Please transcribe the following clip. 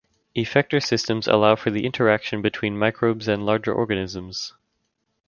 Effector systems allow for the interaction between microbes and larger organisms.